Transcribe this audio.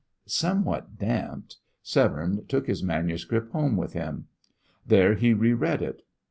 Somewhat damped, Severne took his manuscript home with him. There he re read it.